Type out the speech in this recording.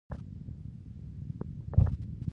ډول یې پر غاړه دی.